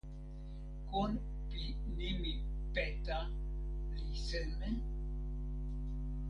kon pi nimi "peta" li seme?